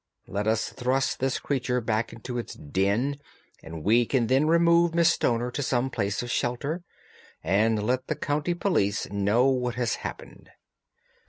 Let us thrust this creature back into its den, and we can then remove Miss Stoner to some place of shelter and let the county police know what has happened."